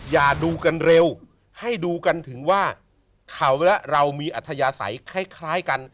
อย่าดูกันเร็วให้ดูกันถึงว่าเขาและเรามีอัธยาศัยคล้ายกัน